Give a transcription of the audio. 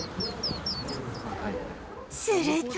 すると